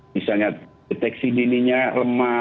misalnya deteksi jadinya lemah